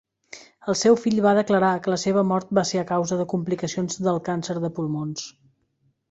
El seu fill va declarar que la seva mort va ser a causa de complicacions del càncer de pulmons.